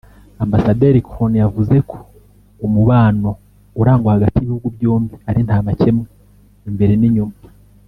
Ambasaderi Cronin yavuze ko umubano urangwa hagati y’ibihugu byombi ari nta makemwa imbere n’inyuma